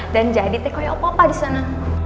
dan jadi teko ya opo opo disana